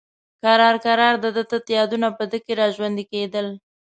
کرار کرار د ده تت یادونه په ده کې را ژوندي کېدل.